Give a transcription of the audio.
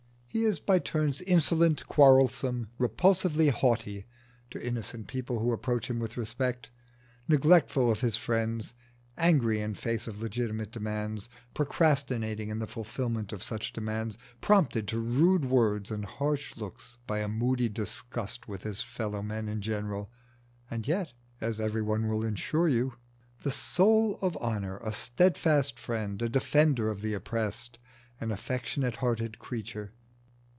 He is by turns insolent, quarrelsome, repulsively haughty to innocent people who approach him with respect, neglectful of his friends, angry in face of legitimate demands, procrastinating in the fulfilment of such demands, prompted to rude words and harsh looks by a moody disgust with his fellow men in general and yet, as everybody will assure you, the soul of honour, a steadfast friend, a defender of the oppressed, an affectionate hearted creature.